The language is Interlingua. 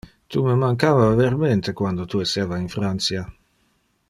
Tu me mancava vermente quando tu esseva in Francia.